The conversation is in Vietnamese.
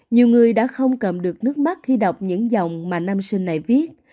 nhiều người đã không cầm được nước mắt khi đọc những dòng mà nam sinh này viết